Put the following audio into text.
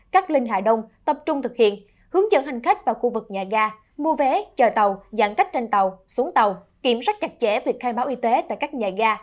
cát linh hà đông tập trung thực hiện hướng dẫn hành khách vào khu vực nhà ga mua vé chờ tàu giãn cách trên tàu xuống tàu kiểm soát chặt chẽ việc khai báo y tế tại các nhà ga